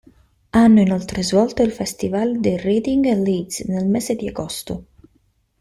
Hanno inoltre svolto il festival di Reading e Leeds nel mese di agosto.